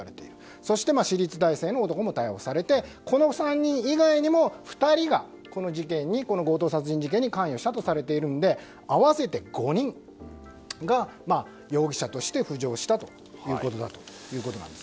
そして私立大生の男も逮捕されてこの３人以外にも、２人がこの強盗殺人事件に関与したとされているので、合わせて５人が容疑者として浮上したということです。